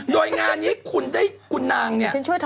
โดยงานนี้คุณนางเนี่ย